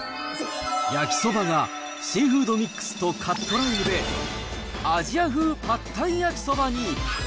焼きそばがシーフードミックスとカットライムで、アジア風パッタイ焼きそばに。